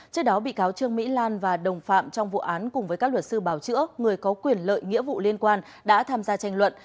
trước đó bị cáo trương mỹ lan và đồng phạm trong vụ án cùng với các luật sư bảo chữa người có quyền lợi nghĩa vụ liên quan đã tham gia tranh luận